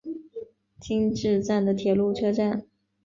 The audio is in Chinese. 今治站的铁路车站。